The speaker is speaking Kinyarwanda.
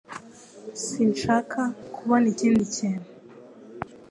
Sinshaka kubona ikindi kintu